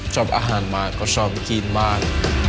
ชอบอาหารมากก็ชอบกินมาก